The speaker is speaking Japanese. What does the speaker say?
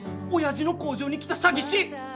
おやじの工場に来た詐欺師。